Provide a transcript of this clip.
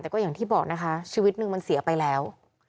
แต่ก็อย่างที่บอกนะคะชีวิตนึงมันเสียไปแล้ว